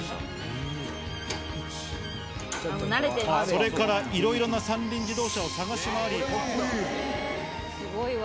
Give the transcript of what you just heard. それからいろいろな三輪自動車をすごいわ。